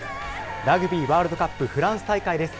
ラグビーワールドカップフランス大会です。